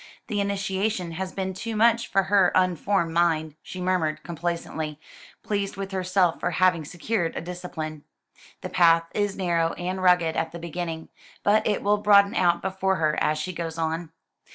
the initiation has been too much for her unformed mind," she murmured complacently, pleased with herself for having secured a disciple. "The path is narrow and rugged at the beginning, but it will broaden out before her as she goes on."